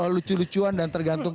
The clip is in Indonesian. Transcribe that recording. lucu lucuan dan tergantung